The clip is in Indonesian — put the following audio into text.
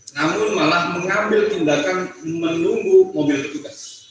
namun malah mengambil tindakan menunggu mobil petugas